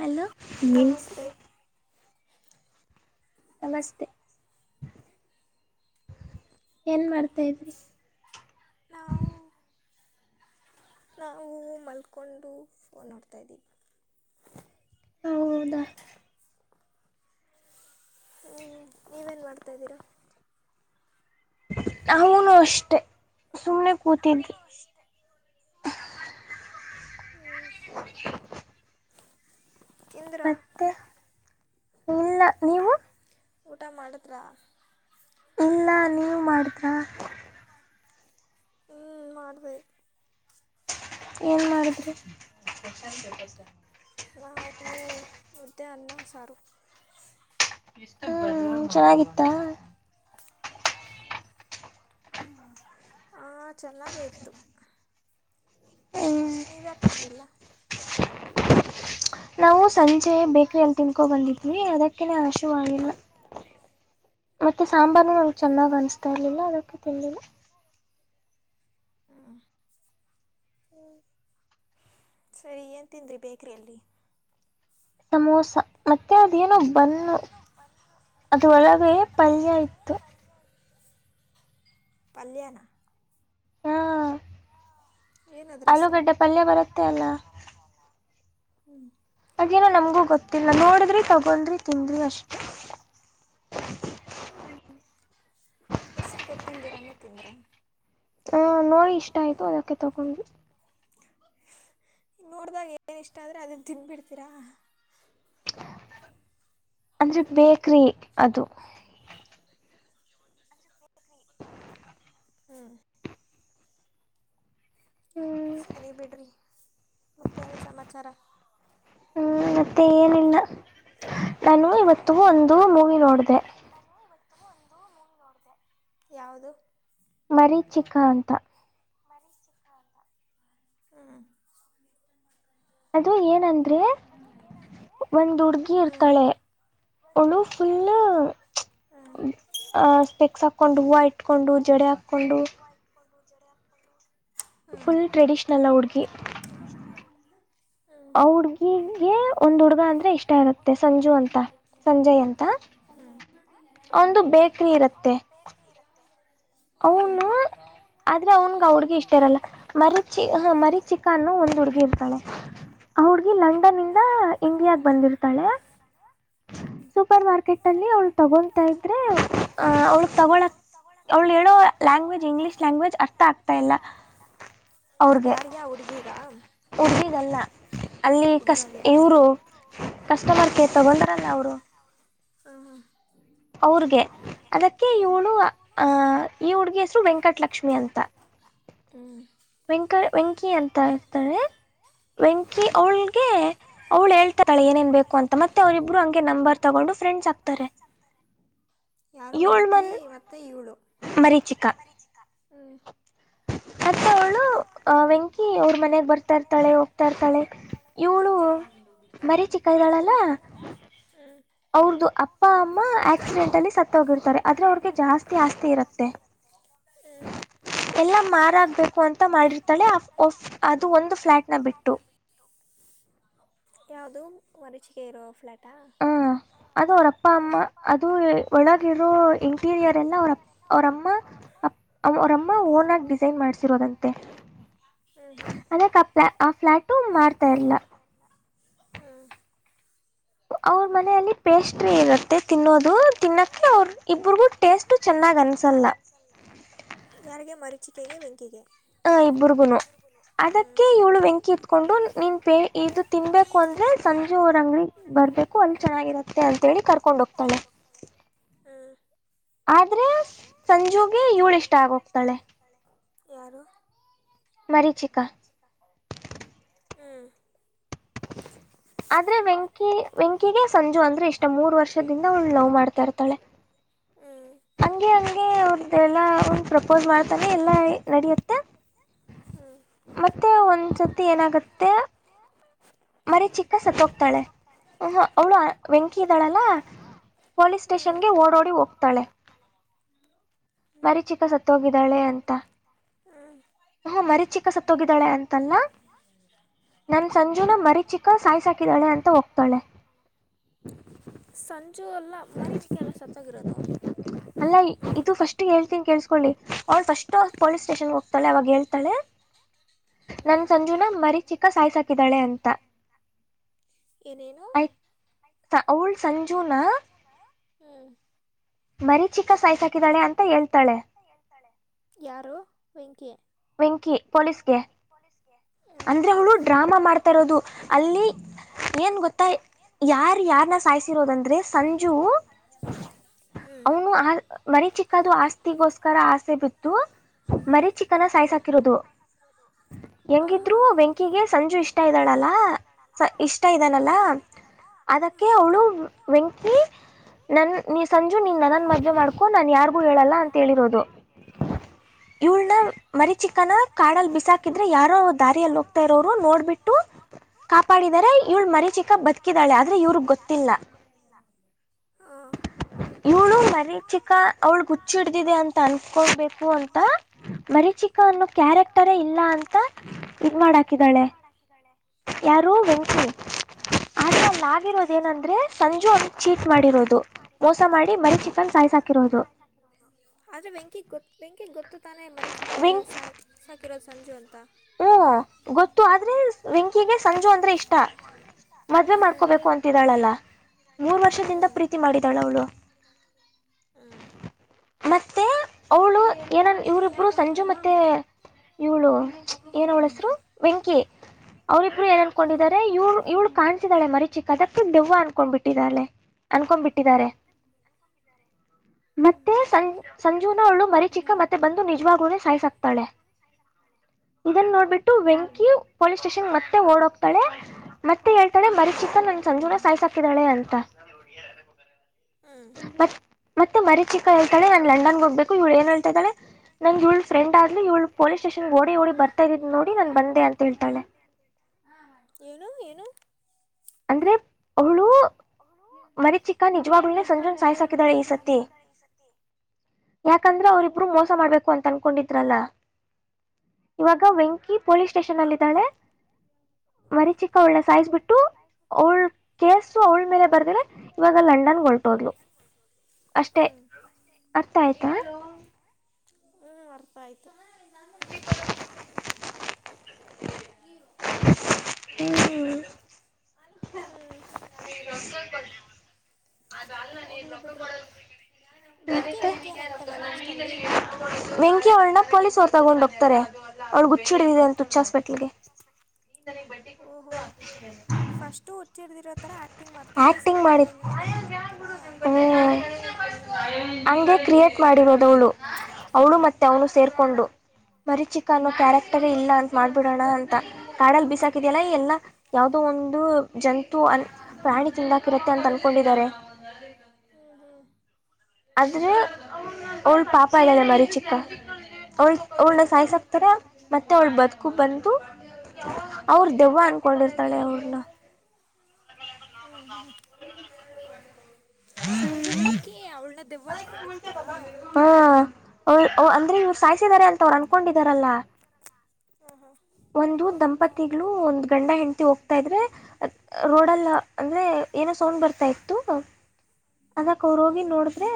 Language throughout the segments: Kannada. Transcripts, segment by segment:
ಹಲೋ ನಮಸ್ತೆ ನಮಸ್ತೆ [unintelligible] ಏನ್ ಮಾಡ್ತಾ ಇದ್ರಿ ನಾವು ನಾವು ಮಲ್ಕೊಂಡು ಫೋನ್ ನೋಡ್ತಾಯಿದ್ದೀವಿ ಹೌದಾ ಹ್ಮ್ಮ್ ನೀವೇನು ಮಾಡ್ತಾಯಿದ್ದೀರಾ ಅವನು ಅಷ್ಟೆ ಸುಮ್ನೆ ಕೂತಿದ್ಿ ಹ [unintelligible] ಮತ್ತೆ ಇಲ್ಲ ನೀವು ಊಟ ಮಾಡುದ್ರಾ ಇಲ್ಲ ನೀವು ಮಾಡಿದ್ರಾ ಹ ಮಾಡಬೇಕ ಏನ್ ಮಾಡಿದ್ರಿ ನಾವು ಮುದ್ದೆ ಅನ್ನ ಸಾರು ಹ್ಮ್ ಚೆನ್ನಾಗಿತ್ತಾ ಹ ಹ ಚೆನ್ನಾಗ ಇತ್ತು ಹ್ಮ್, ನೀವ ಯಾಕೆ ಮಾಡಿಲ್ಲ ನಾವು ಸಂಜೆ ಬೇಕ್ರಿಯ ಅಲ್ಲಿ ತಿನ್ಕೋ ಬಂದಿದ್ವಿ ಅದಕ್ಕನೆ ಅಶಿವು ಆಗಿಲ್ಲ ಮತ್ತುತ್ತೆ ಸಾಂಬಾರನು ನಮಗೆ ಚೆನ್ನಾಗಿ ಅನಿಸ್ತಾ ಇರಲಿಲ್ಲ ಅದಕ್ಕೆ ತಿಳಿಲ್ಲ ಹ [unintelligible] ಹ್ಮ [unintelligible] [inaudible] ಸರಿ ಏನ್ ತಿಂದ್ರಿ ಬೇಕರಿ ಅಲ್ಲಿ ಸಮೋಸ ಮತ್ತೆ ಅದೇನೋ ಬನ್ನು ಅದು ಒಳಗೆ ಪಲ್ಯ ಇತ್ತು ಪಾಲಿಯಾನ ಹಾ ಏನದ್ರ ಹೆಸರು ಆಲೂಗಡ್ಡೆ ಪಲ್ಯ ಬರುತ್ತೆ ಅಲ್ಲ ಹ್ಞೂ ಹಾದೇನೋ ನಮ್ಗೂ ಗೊತ್ತಿಲ್ಲ ನೋಡಿದ್ರಿ ತಗೊಂಡ್ರಿ ತಿಂದ್ರಿ ಅಷ್ಟೆ [unintelligible] [inaudible] ಹ ಹೆಸ್ರು ಗೊತ್ತಲ್ದಿರಲ್ಲೇ ತಿಂದ್ರ [inaudible] ಹ ನೋಡಿ ಇಷ್ಟ ಆಯ್ತು ಅದಕ್ಕೆ ತಗೊಡ್ವಿ ನೋಡಿದಾಗ ಏನು ಇಷ್ಟ ಅಂದರೆ ಅದನ್ನು ತಿನ್ಬಿಡ್ತೀರಾ ಅಂದ್ರೆ ಬೇಕ್ರಿ ಅದು ಹ್ಮ್ ಹ್ಮ್, ಸರಿ ಬಿಡ್ರಿ ಮತ್ತೇನು ಸಮಾಚಾರ ಹ್ಮ್ ಮತ್ತೆ ಏನಿಲ್ಲ ನಾನು ಇವತ್ತು ಒಂದು ಮೂವಿ ನೋಡಿದೆ ಇತ್ತು ಒಂದು ನೋಡಿದೆ ಯಾದು [unintelligible] ಪರೀಚಿಕ ಅಂತ [unintelligible] ಹ್ಮ್ ಅದು ಏನಂದ್ರೆ ಒಂದ್ ಹುಡ್ಗಿ ಹ್ಞೂ ಇರ್ತಾಳೆ ಅವಳು ಫುಲ್ ಹ್ಞೂ ಅಹ ಸ್ಪೆಕ್ಸ್ ಹಾಕೊಂಡು ಹೂವು ಇಟ್ಕೊಂಡು ಜಡೆ ಹಾಕೊಂಡು ಹ್ಞೂ ಫುಲ್ ಟ್ರೆಡಿಷನಲ್ ಹುಡ್ಗಿ ಹ್ಞೂ ಹ್ಞೂ ಆ ಹುಡ್ಗಿಗೆ ಒಂದ್ ಹುಡುಗ ಅಂದ್ರೆ ಇಷ್ಟ ಇರುತ್ತೆ ಸಂಜು ಅಂತ ಸಂಜಯ್ ಅಂತ ಒಂದು ಬೇಕರಿ ಇರತ್ತೆ ಹ್ಞೂ ಅವನು ಆದ್ರೆ ಅವನ್ಗ ಆ ಹುಡ್ಗಿ ಇಷ್ಟ ಇರಲ್ಲ ಮರೀಚಿ ಹ ಮರೀಚಿಕನ್ನು ಒಂದ್ ಹುಡ್ಗಿ ಇರ್ತಾಳೆ ಆ ಹಡ್ಗಿ ಲಂಡನ್ ಇಂದ ಇಂಡಿಯಾಗ ಬಂದಿರ್ತಾಳೆ ಸೂಪರ್ ಮಾರ್ಕೆಟ್ ಅಲ್ಲಿ ಅವ್ಳ ತಗೊತಾ ಇದ್ರೆ ಅ ಅವ್ಳಗ್ ತಗೊಳಕ್ ಅವ್ಳು ಹೇಳೋ ಲ್ಯಾಂಗ್ವೇಜ್ ಇಂಗ್ಲಿಷ್ ಲ್ಯಾಂಗ್ವಜ್ ಅರ್ಥ ಆಗ್ತಾ ಇಲ್ಲ ಯಾರಗೆ ಆ ಹುಡುಗಿಗ ಹುಡಗಿಗಳ ಅಲ್ಲಿ ಕಸ್ ಹುಡುಗಾಗೆ ಇವರು ಕಸ್ಟಮರ್ ಕೇರ್ ತಗೊಂಡಾರಲ್ಲ ಅವರು ಹ ಹ ಅವ್ರಗೆ ಅದಕ್ಕೆ ಈ ಹುಳು ಅಹ ಈ ಹುಡ್ಗ ಹೆಸರು ವೆಂಕಟಲಕ್ಷ್ಮಿ ಅಂತ [unintelligible] ಹ್ಮ್ ವೆಂಕ ವೆಂಕಿ ಅಂತ ಇರ್ತಾರೆ ವೆಂಕಿ ಅವಳಗೆ ಅವಳು ಹೇಳ್ತ ಾಳೆ ಏನೇನ್ ಬೇಕು ಅಂತ ಮತ್ತೆ ಅವರಿಬ್ರು ಹಂಗೆ ನಂಬರ್ ತಗೊಂಡು ಫ್ರೆಂಡ್ಸ್ ಆಗ್ತಾರೆ ಯಾರು ಏಳ್ ವೆಂಕಿ ಮನ್ ಮತ್ತೆ ಇವಳು ಮರೀಚಿಕ ಹ್ಮ ಅತ್ತ ಅವಳು ಆ ವೆಂಕಿ ಅವ್ರ ಮನೆಗೆ ಬರ್ತಾರ್ತ ತಾಳೆ ಹೋಗ್ತಾ ಇರ್ತಾಳೆ ಇವಳು ಬರೀ ಚಿಕ್ಕ ಇದ್ದಾಳಲ್ಲ ಹ್ಞೂ ಅವ್ರ್ದು ಅಪ್ಪ ಅಮ್ಮ ಆಕ್ಸಿಡೆಂಟ್ ಅಲ್ಲಿ ಸತ್ತ ಹೋಗಿರ್ತಾರೆ ಆದ್ರೆ ಅವ್ರಿಗೆ ಜಾಸ್ತಿ ಆಸ್ತಿ ಇರತ್ತೆ ಹ್ಞೂ [unintelligible] [inaudible] ಎಲ್ಲ ಮಾರಾಗಬೇಕು ಅಂತ ಮಾಡಿರ್ತಾಳೆ ಅದು ಒಂದು ಫ್ಲಾಟ್ ಟ್ಟೋ ಯಾವವು್ದೋ ಮರೀಚೆಗೆ ಇರ ಫ್ಲಾಟ್ ಹ ಅದು ಅವರಪ್ಪ ಅಮ್ಮ ಅದು ಒಳಗಿರೋ ಇಂಟೀರಿಯರ್ ಎಲ್ಲ ಅವರ ಅವರಮ್ಮ ಅ ಅವ್ರಮ್ಮ ಓನ ಆಗ ಡಿಸೈನ್ ಮಾಡ್ಸಿರೋದಂತೆ ಹ್ಞೂ ಹ್ಞೂ ಅದಕ್ಕೆ ಪ ಆ ಫ್ಲ್ಯಾಟು ಮಾರ್ತಾ ಇಲ್ಲ? [unintelligible] ಹೂ [unintelligible] ಅವರ ಮನೆಯಲ್ಲಿ ಪೇಸ್ಟ್ರಿ ಇರುತ್ತೆ ತಿನ್ನೋದು ತಿನ್ನಕ್ಕೆ ಅವರ ಇಬ್ರಗೂ ಟೇಸ್ಟ್ ಚ [unintelligible] ಚನ್ನಾಗ ಅನ್ಸೋಲ್ಲ? [unintelligible] ಯಾರಿಗೆ ಮರೀಚಿಕೆಗೆ ವೆಂಕಿಗೆ, [unintelligible] ಹ ಇಬ್ರಗೂನು ಅದಕ್ಕೆ ಇವಳ [unintelligible] ವೆಂಕಿ ಇತ್ಕೊಂಡು ನೀನ್ ಪೇ ಇದು ತಿನ್ಬೇಕು ಹ್ಞೂ ಅಂದ್ರೆ ಸಂಜು ಅವರ ಅಂಗಡಿಗ ಬರ್ಬೇಕು ಅಲ್ಲಿ ಚೆನ್ನ [unintelligible] ಗಿರುತ್ತೆ ಅಂತ ಹೇಳಿ ಕರ್ಕೊಂಡ ಹೋಗ್ತಾಳೆ. [unintelligible] ಹ್ಮ್ ಆದ್ರೆ ಸಂಜುಗೆ ಇವಳ ಇಷ್ಟ ಆಗೋಗ್ತಾಳೆ. [unintelligible] ಯಾರು? [unintelligible] ಮರೀಚಿಕಾ. [unintelligible] ಹೂ [unintelligible] ಆದರೇ ವೆಂಕಿ ವೆಂಕಿಗೆ ಸಂಜು ಅಂದ್ರೆ ಇಷ್ಟ ಮೂರು ವರ್ಷದಿಂದ ಅವಳು ಲವ್ ಮಾಡ್ತಾ ಇರ್ತಾಳೆ. [unintelligible] ಹ್ಮ್ ಹ್ಮ್ ಹಂಗೆ ಹಂಗೆ ಅವ್ರ್ದೆಲ್ಲ ಅವ್ನ್ ಪ್ರಪೋಸ್ ಮಾಡ್ತಾನೆ ಎಲ್ಲ ನಡೆಯುತ್ತೆ ಹ್ಮ್ ಮತ್ತೆ ಒಂದ್ಸತಿ ಏನಾಗುತ್ತೆ ಮರಿ ಹ್ಮ್ ಚಿಕ್ಕ ಸತ್ ಹೋಗ್ತಾಳೆ ಹ ಹ ಅವಳು Venki ಇದ್ದಾಳಲ್ಲ? [unintelligible] Police hmm station hmm ಗೆ ಓಡೋಡಿ ಹೋಗ್ತಾಳೆ. ಮರೀ ಚಿಕ್ಕ ಸತ್ತೋಗಿದಾಳೆ ಅಂತ. [unintelligible] ಹೂ ಮರೀ ಚಿಕ್ಕ ಸತ್ತೋಗಿದಾಳೆ ಅಂತಲ್ಲ ನನ್ ಸಂಜೆ [unintelligible] ಚಿಕ್ಕ ಸಾಯ್ಸಾ ಹಾಕಿದಾಳೆ ಅಂತ ಹೋಗ್ತಾಳೆ. [unintelligible] ಮರಿಚಿಕಲ್ಲ ಸತ್ತಹೋಗಿರೋದು. ಅಲ್ಲ ಇದು ಫಸ್ಟ್ [unintelligible] ಹೇಳ್ತೀನಿ ಕೇಳಿಸಿಕೊಳ್ಳಿ ಅವಳ ಫಸ್ಟ್ ಪೊಲೀಸ್ ಸ್ಟೇಷನಗೆ ಹೋಗ್ತಾಳೆ ಅವಾಗ ಹೇಳ್ತಳೆ. [unintelligible] ನನ್ ಹ್ಮ್ ಸಂಜುನಾ ಮರೀ ಚಿಕ್ಕ ಸಾಯ್ಸಾಕಿದಾಳೆ ಅಂತ. ಏನೇನು [unintelligible] ಆಯ್ ತಾ ಅವಳ ಸಂಜುನಾ [unintelligible] ಹೂ [unintelligible] ಮರೀ ಚಿಕ್ಕ ಸಾಯಿಸ ಹಾಕಿದ್ದಾಳೆ ಅಂತ ಹೇಳ್ತಾಳೆ. [unintelligible] ಯಾರು ವೆಂಕಿ [unintelligible] ವೆಂಕಿ ಪೊಲೀಸ್ ಗೆ ಹ್ಮ್ ಅಂದ್ರೆ ಅವಳು ಡ್ರಾಮಾ ಮಾಡ್ತಾ ಇರೋದು ಅಲ್ಲಿ? [unintelligible] ಏನ್ ಗೊತ್ತಾ ಯಾರ್ ಯಾರನ್ನ ಸಾಯ್ಸಿರೋದಂದ್ರೆ ಸಂಜು [unintelligible] ಹ್ಮ್ ಅವನು ಆ ಮರಿಚಿಕ್ಕ ದು ಆಸ್ತಿ ಗೋಸ್ಕರ ಆಸೆ ಬಿ [unintelligible] ದೂ ಮರಿಚಿಕ್ಕ ಸಾಯ್ಸ ಹ್ಮ್ ಹಾಕಿರೋದು. [unintelligible] ಹಾಂ ಹೆಂಗಿದ್ರು ಹಾಂ ವೆಂಕಿಗೆ ಸಂಜು ಇಷ್ಟ ಇದ್ದಾಳಲ್ಲ. [unintelligible] ಸ ಇಷ್ಟ ಇದ್ದಾನಲ್ಲ? [unintelligible] ಅದಕ್ಕೆ ಹಾಂ ಅವಳು ವೆಂಕಿ ನನ್ನ ನೀ [unintelligible] ಸಂಜು ನಿನ ನನ್ನನ ಮದುವೆ ಮಾಡ್ಕೊ ನಾನ್ ಯಾರಿಗೂ ಹೇಳಲ್ಲ ಅಂತ ಹೇಳಿರೋದು. [unintelligible] ಇಳ್ನ ಮರಿ ಚಿಕ್ಕನ ಕಾಡಲ್ಲಿ ಬಿಸಾಕಿದ್ರೆ ಯಾರೋ ದಾರಿಯಲ್ಲಿ ಹೋಗ್ತಾ ಇರೋರು ನೋಡ್ಬಿಟ್ಟು [unintelligible] ಕಾಪಾಡಿದರೆ ಇವಳು ಮರಿಚಿಕ್ಕ ಬದುಕಿದ್ದಾಳೆ ಆದ್ರೆ ಇವ್ರಗ ಗೊತ್ತಿಲ್ಲ? ಹಾಂ ಇವಳು ಮರಿಚಿಕ್ಕ ಅವಳಿಗೆ ಹುಚ್ ಹಿಡಿದಿದೆ ಅಂತ [unintelligible] ತ ಅನ್ಕೊಂಡ ಬೇಕು ಅಂತ ಮರಿಚಿಕ್ಕ ಅನ್ನೋ ಕ್ಯಾರೆಕ್ಟರೇ ಇಲ್ಲ ಅಂತ [unintelligible] ಇದ ಮಾಡಾಹಾಕಿದಾಳೆ ಯಾರು ವೆಂಕಿ. [unintelligible] ಆದರೇ ಅಲ್ಲಿ ಆಗಿರೋದ ಏನಂದ್ರೆ ಸಂಜು ಅವನೀಗ ಚೀಟ್ ಮಾಡಿರೋದು ಮೋಸ ಮಾಡಿ ಮರಿಚಿಕ್ಕ ನಾ ಸಾಯ್ಸ [unintelligible] ಹಾಕಿರೋದು. [unintelligible] ಆದರೇ ವೆಂಕಿ ವೆಂಕಿಗ ಗೊತ್ತು ತಾನೇ ಮರಿಚಿಕ್ಕ ಸಾಕಿರೋದು ಸಂಜು ನ [unintelligible] ಹೂ ಗೊತ್ತು ಆದ್ರೆ ವೆಂಕಿಗೆ ಸಂಜು ಅಂದ್ರೆ ಇಷ್ಟ. [unintelligible] ಮದ್ವೆ ಹ್ಞೂ ಮಾಡ್ಕೋಬೇಕು ಅಂತಿದ್ದಾಳಲ್ಲ ಮೂರ್ ಹ್ಞೂ ವರ್ಷದಿಂದ ಪ್ರೀತಿ ಮಾಡಿದಾಳ ಅವಳು? [unintelligible] ಹೂ [unintelligible] ಮತ್ತೆ ಅವಳು ಏನನ್ ಇವರ ಇಬ್ಬರು ಸಂಜು ಮತ್ತೆ ಇವಳು [unintelligible] ಏನ ಅವಳ ಹೆಸರು ವೆಂಕಿ ಅವ್ರಿಬ್ರು ಏನ್ ಹ್ಞೂ ಅನ್ಕೊಂಡಿದಿದ್ದಾರೆ ಇವಳ ಇವಳ ಕಾಣ್ಸಿದಾಳೆ ಮರಿಚಿಕ್ಕ. [unintelligible] ಕದಕ್ಕ ದೆವ್ವ ಅನ್ಕೊಂಡ್ಬಿಟ್ಟಳೆ ಅನ್ಕೊಂಡ್ ಬಿಟ್ಟಿದ್ದಾರೆ. ಹ್ಞೂ ಮತ್ತೆ ಸಂಜ ಸಂಜುನ ಅವಳು ಮರಿ ಚಿಕ್ಕ ಮತ್ತೆ ಬಂದು ನಿಜವಾಗೂ ಸಾಯ್ಸಾಕ್ತಳೆ. [unintelligible] [unintelligible] ಇದನ್ನು ನೋಡ್ಬಿಟ್ಟು ವೆಂಕಿ ಪೊಲೀಸ್ ಸ್ಟೇಷನ್ ಮತ್ತೆ ಓಡ ಹೋಗತಾಳೆ ಮತ್ತೆ ಹೇಳ್ತಾಳೆ ಮರೀ ಚಿಕ್ಕನ್ ಒಂದಸ ಸಾಯಸಕಿದಾಳೆ ಅಂತ ಹ್ಞೂ ಮತ್ತೆ ಮರಿ ಚಿಕ್ಕ ಹೇಳ್ತಾಳೆ ನಾನ್ ಲಂಡನ್ ಹೋಗ್ಬೇಕು ಇವಳ ಏನೂ ಹೇಳ್ತಿದಾಳೆ ನಂಗ್ ಇವಳ ಫ್ರೆಂಡ್ ಆಗಲ್ಲಿ ಇವಳ್ ಪೊಲೀಸ್ ಸ್ಟೇಷನ್ ಓಡಿ ಓಡಿ ಬರ್ತಾ ಇದಿದ ನೋಡಿ ನನ್ ಬಂದ ಅಂತ ಹೇಳ್ತಾಳೆ [inaudible] ಏನು ಏನು ಅಂದ್ರೆ ಅವಳು ಮರಿಚಿಕ್ಕ ನಿಜವಾಗಲುನೆ ಸಂಜುನ್ ಸಾಯ್ಸಾಕಿದಾಳೆ ಈ ಸತಿ ಯಾಕಂದ್ರೆ ಅವರು ಇಬ್ರು ಮೋಸ ಮಾಡ್ಬೇಕು ಅಂತ ಅನ್ಕೊಂಡಿದ್ರಲ್ಲ ಇವಾಗ ವೆಂಕಿ ಪೊಲೀಸ್ ಸ್ಟೇಷನ್ ಅಲ್ಲಿದ್ದಾಳೆ ಮರಿ ಚಿಕ್ಕ ಅವಳನ ಸಾಯಸ ಬಿಟ್ಟು ಅವಳ ಕೇಸ್ ಅವಳ ಮೇಲೆ ಬರ್ದ್ರೆ ಇವಾಗ ಲಂಡನ್ ಹೊರಟೋದ್ಲು ಅಷ್ಟೆ ಹ್ಞೂ ಅರ್ಥ ಆಯ್ತಾ ಹ್ಮ್ ಅರ್ಥ ಆಯ್ತು [inaudible] ಹ್ಮ್ಮ ಹ ಹೋಗ್ಲಿ ಬಿಡ್ರಿ ವೆಂಕಿ ಮತ್ತೆ ವೆಂಕಿ ಏನಾಗ್ತಾಳೆಲ್ಲಾ ವೆಂಕಿ ಅವಳ್ನ ಪೊಲೀಸ್ ಅವರ್ ತಗೊಂಡ್ ಹೋಗ್ತಾರೆ ಅವಳಗ ಹುಚ್ಚ ಹಡದಿದೆಂತ ಹುಚ್ಚ ಹಾಸ್ಪಿಟ್ಲ್ಗೆ ಓಹೋ ಫಸ್ಟು ಹುಚ್ಚಡದಿರೋ ತರ ಆಕ್ ಟಿಂಗ್ ಮಾಡ್ತಲ್ಲ ಈಸಲ ಆಕ್ಟಿಂಗ್ ಮಾಡಿದ ನಿಜವಾಗಲುನೂ ಕರ್ಕೊಂಡ ಹೋಗ್ತಾರ ಹ್ಮ್ ಹಂಗೆ ಕ್ರಿಯೇಟ್ ಮಾಡಿರೋದವಳು ಅವಳು ಮತ್ತೆ ಅವನು ಹಾಂ ಸೇರ್ಕೊಂಡು ಮರಿ ಚಿಕ್ಕ ಅನ್ನೋ ಕ್ಯಾರೆಕ್ಟರೇ ಹಾಂ ಇಲ್ಲ ಅಂತ ಮಾಡ್ಬಿಡೋಣ ಅಂತ ಕಾಡಲ್ ಬಿಸಾಕಿದ ಇದೆಲ್ಲ ಹ್ಞೂ ಎಲ್ಲ ಯಾವದೋ ಒಂದು ಜಂತು ಅ ಪ್ರಾಣಿ ತಿಂದಾಕಿರುತ್ತೆ ಅಂತ ಅನ್ಕೊಂಡಿದ್ದಾರೆ ಹ್ಞೂ ಹ್ಮ್ ಆದ್ರೆ ಅವಳ ಪಾಪ ಇದಾಳೆ ಮರಿ ಚಿಕ್ಕ ಅವಳ್ ಅವಳನ ಹ್ಮ್ ಸಾಯ್ಸಾಕ್ತಾರ ಮತ್ತೆ ಅವ್ಳ ಬದುಕು ಬಂದು ಅವ್ರ ದೆವ್ವ ಅನ್ಕೊಂಡಿರ್ತಾಳೆ ಅವ್ರನ್ನ ಮ ಹ್ಮ್ ಹ್ಮ್ ಹ್ಮ್ ನಾ [unintelligible] ಸಂಜು ವೆಂಕಿ ಅವ ಹಾ ಅಂದ್ರೆ ಇವ್ರು ಸಾಯ್ಸಿದ್ದಾರೆ ಅಂತ ಅವ್ರು ಅನ್ಕೊಂಡ ತ್ತರಲ್ಲಾ ಹಾಂ ಹಾಂ ಒಂದು ದಂಪತಿಗಳು ಒಂದ್ ಗಂಡ ಹೆಂಡತಿ ಹೋಗ್ತಾ ಇದ್ರೆ ರೋಡ್ಲ್ ಅಂದ್ರೆ ಏನೋ ಸೌಂಡ್ ಬರ್ತಾ ಇತ್ತು ಅದಕ್ಕೆ ಅವ್ರು ಹ್ಞೂ ಹೋಗಿ ನೋಡಿದ್ರೆ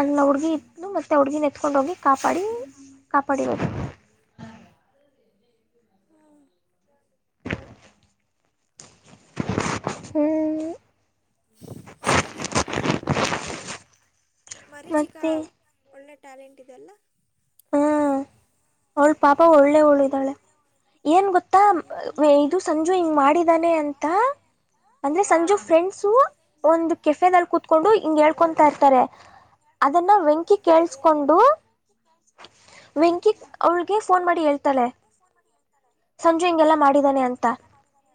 ಅನ್ನ ಹುಡ್ಗಿ ಇದ್ಲು ಮತ್ತೆ ಹುಡ್ಗಿ ನೆತ್ಕೊಂಡ ಹೋಗಿ ಕಾಪಾಡಿ ಕಾಪಾಡಿವದು ಹ್ಮ ಹ್ಮ [inaudible] ಹ್ಮ್ ಸರಿ ಬಿಡ್ರಿ ಮತ್ತೇನು ಮರಚಿಕ್ಕ ಮತ್ತೆ ಒಳ್ಳೆ ಟ್ಯಾಲೆಂಟ್ ಇದೆಲ್ಲ ಹಾ ಅವಳ ಪಾಪ ಒಳ್ಳೆವಳ ಇದ್ದಾಳೆ ಏನ್ ಗೊತ್ತಾ ಇದು ಸಂಜು ಹಿಂಗ ಮಾಡಿದಾನೆ ಅಂತ ಅಂದ್ರೆ ಹ್ಞೂ ಸಂಜು ಫ್ರೆಂಡ್ಸು ಒಂದು ಹ್ಞೂ ಕೆಫೆ ನಲ್ಲಿ ಕೊತ್ಕೊಂಡು ಹಿಂಗ್ ಹೇಳ್ಕೊಂತಾ ಇರ್ತಾರೆ ಅದನ್ನ ವೆಂಕಿ ಹ್ಞೂ ಕೇಳಸ್ಕೊಂಡು ಹ್ಞೂ ಹ್ಞೂ ವೆಂಕಿ ಅವಳಿಗೆ ಫೋನ್ ಮಾಡಿ ಹೇಳ್ತಾಳೆ ಸಂಜು ಹಿಂಗೆಲ್ಲಾ ಮಾಡಿದಾನೆ ಅಂತ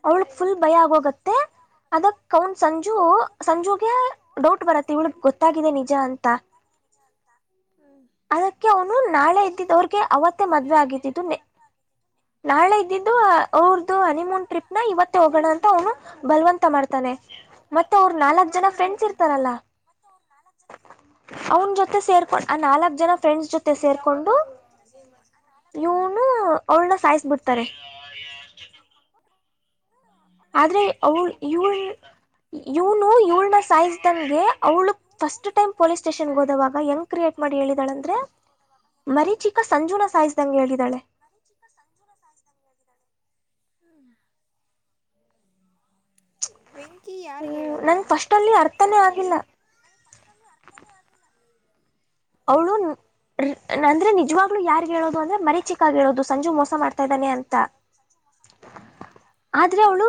ಅವಳಗ್ ಫುಲ್ ಭಯ ಆಗೋಗತ್ತೆ ಅದಕ್ ಅವನ್ ಸಂಜು ಸಂಜುಗೆ ಡೌಟ್ ಬರುತ್ತೆ ಇವಳಗ್ ಗೊತ್ತಾಗಿದೆ ನಿಜ ಅಂತ ಅದಕ್ಕೆ ಅವನ ನಾಳೆ ಇದ್ದಿದ್ದವಿಗೆ ಅವತ್ತೆ ಮದ್ವೇ ಆಗಿದ್ದು ನಾಳೆ ಇದು ಅವ್ರ್ದ ಹನಿಮೂನ್ ಟ್ರಿಪ್ ನ ಇವತ್ತ ಹೋಗೋಣ ಅಂತ ಅವನು ಬಲವಂತ ಮಾಡ್ತಾನೆ ಮತ್ತೆ ಅವ್ರ ನಾಲ್ಕ್ ಜನ ಫ್ರೆಂಡ್ಸ್ ಇರ್ತಾರಲ್ಲ ಅವನ್ ಜೊತೆ ಸೇರ್ಕೊಂಡ್ ಆ ನಾಲ್ಕ್ ಜನ ಫ್ರೆಂಡ್ಸ್ ಜೊತೆ ಸೇರ್ಕೊಂಡು ಇವನು ಅವಳನ ಸಾಯಸ್ಬಿಡ್ತಾರೆ ಆದ್ರೆ ಅವವು ಇವರು ಇವ್ನು ಇವಳನ ಸೈಜ್ ದನ್ಗೆ ಅವ್ಳು ಫಸ್ಟ್ ಟೈಮ್ ಪೊಲೀಸ್ ಸ್ಟೇಷನ್ಗೆ ಹೋದವಾಗ ಎಂಗ ಕ್ರಿಯೇಟ್ ಮಾಡಿ ಹೇಳಿದಾಳಂದ್ರೆ ಮರೀ ಚಿಕ್ಕ ಸಂಜುನ ಸಾಯಿಸ್ದಂಗೆ ಹೇಳಿದಾಳೆ [inaudible] ವಿಂಗ [unintelligible] ಹ್ಮ ನಂ ಫಸ್ಟ್ಲ್ಲಿ ಅರ್ಥನೇ ಮಾಡಿ ಆಗಿಲ್ಲ ಅವ್ಳು ಅಂದ್ರೆ ನಿಜವಾಗ್ಲು ಯಾರ್ ಹೇಳೋ ಅಂದ್ರೆ ಮರಿ ಚಿಕ್ಕಾಗಿಡೋದು ಸಂಜು ಮೋಸ ಮಾಡ್ತಾ ಇದ್ದಾನೆ ಅಂತ ಹ್ಞೂ ಆದ್ರೆ ಅವಳು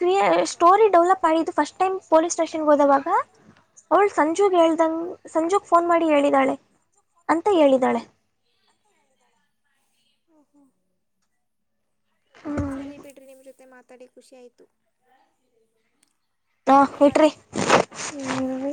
ಕ್ರ ಸ್ಟೋರಿ ಡೆವಲಪ್ ಆಿದ್ದು ಫಸ್ಟ್ ಟೈಮ್ ಪೊಲೀಸ್ ಸ್ಟೇಷನ್ಗೆ ಹೋದವಾಗ ಅವಳ ಸಂಜುಗ್ ಹೇಳ್ದಂಗ ಸಂಜುಗ್ ಫೋನ್ ಮಾಡಿ ಹೇಳಿ ಅಂತ ಹೇಳಿದಾಳೆ ಹೋ ಹ್ಮ್ ಹ್ಮ್ ಸರಿ ಬಿಡ್ರಿ ನಿಮ್ ಜೊತೆ ಮಾತ ತಡೆ ಖುಷಿ ಆಯ್ತು [inaudible] ಹಾ ಇಟ್ರಿ ಹ್ಮ